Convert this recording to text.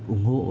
ủng hộ lên